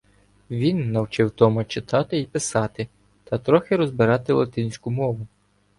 Він навчив Тома читати й писати та трохи розбирати латинську мову.